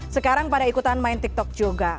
sekarang pada ikutan main tiktok juga